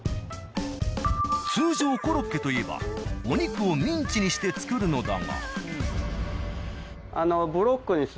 通常コロッケといえばお肉をミンチにして作るのだが。